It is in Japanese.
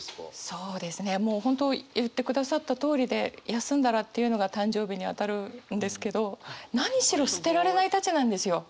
そうですねもう本当言ってくださったとおりで「休んだら」っていうのが誕生日にあたるんですけど何しろ捨てられないたちなんですよ。